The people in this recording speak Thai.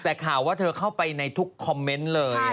แต่ข่าวว่าเธอเข้าไปในทุกคอมเมนต์เลย